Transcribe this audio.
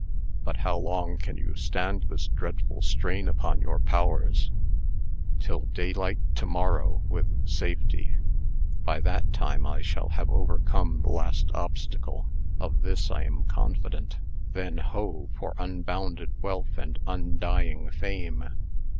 "But how long can you stand this dreadful strain upon your powers?" "Till daylight to morrow, with safety. By that time I shall have overcome the last obstacle. Of this I am confident. Then, ho! for unbounded wealth and undying fame.